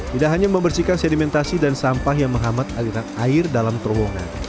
tidak hanya membersihkan sedimentasi dan sampah yang menghambat aliran air dalam terowongan